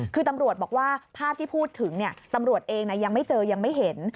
คือตำรวจบอกว่าภาพที่พูดถึงตำรวจเองยังไม่เจอยังไม่เห็น